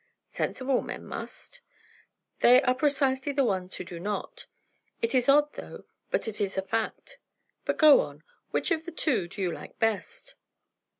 "Sensible men must." "They are precisely the ones who do not. It is odd enough, but it is a fact. But go on; which of these two do you like best?"